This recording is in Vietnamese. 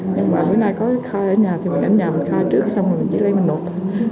nhưng mà bữa nay có khai ở nhà thì mình ở nhà mình khai trước xong rồi mình chỉ lấy mình nộp